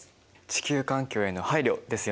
地球環境への配慮ですよね。